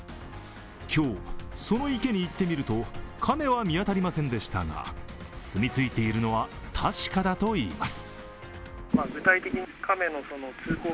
今日、その池に行ってみると、亀は見当たりませんでしたが住みついているのは確かだといいます。